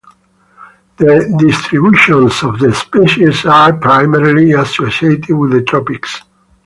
The distributions of the species are primarily associated with the tropics.